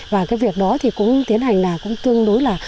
và cái việc đó thì cũng tiến hành là cũng tương đối là